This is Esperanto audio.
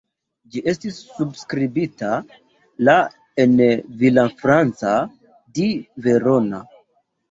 Ĝi estis subskribita la en Villafranca di Verona.